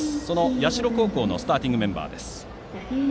社高校のスターティングメンバーです。